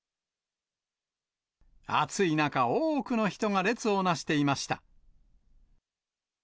暑い中、多くの人が列をなしていました。